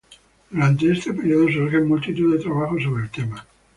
Durante este período surgen multitud de trabajos sobre el tema.